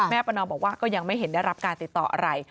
ประนอมบอกว่าก็ยังไม่เห็นได้รับการติดต่ออะไร